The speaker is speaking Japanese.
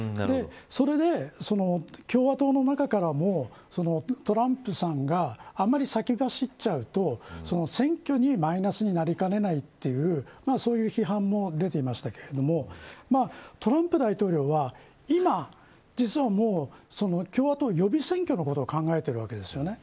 それで、共和党の中からもトランプさんがあまり先走っちゃうと選挙にマイナスになりかねないというそういう批判も出ていましたがトランプ大統領は実は今、共和党予備選挙のことを考えてるわけですよね。